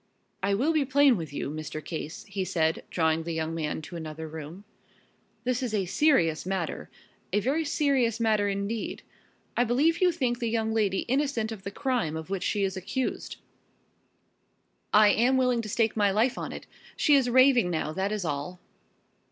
"I will be plain with you, Mr. Case," he said, drawing the young man to another room. "This is a serious matter a very serious matter indeed. I believe you think the young lady innocent of the crime of which she is accused?" "I am willing to stake my life on it. She is raving now, that is all."